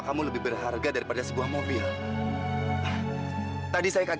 sampai jumpa di video selanjutnya